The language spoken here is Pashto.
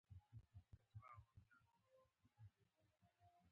سوله او یووالی د انسانیت غوښتنه ده.